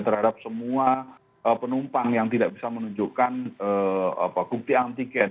terhadap semua penumpang yang tidak bisa menunjukkan bukti antigen